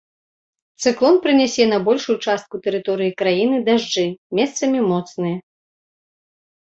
Цыклон прынясе на большую частку тэрыторыі краіны дажджы, месцамі моцныя.